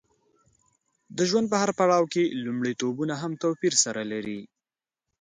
د ژوند په هر پړاو کې لومړیتوبونه هم توپیر سره لري.